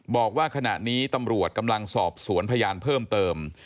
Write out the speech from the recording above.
บอกว่าขณะนี้ตำรวจกำลังสอบสวนพยานเพิ่มเติม